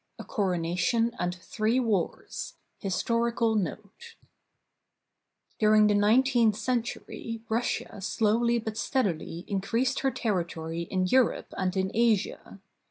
VII A CORONATION AND THREE WARS HISTORICAL NOTE During the nineteenth century Russia slowly but steadily increased her territory in Europe and in Asia.